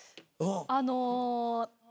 あの。